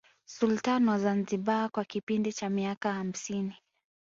Sultani wa Zanzibar kwa kipindi cha miaka hamsini